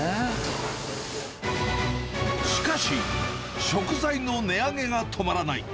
しかし、食材の値上げが止まらない。